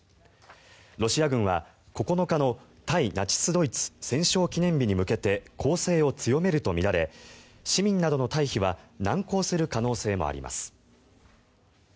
ロシア軍は９日の対ナチス・ドイツ戦勝記念日に向けて攻勢を強めるとみられ市民などの退避は難航する可能性もあります。